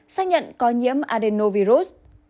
xác nhận có nhiễm adenovirus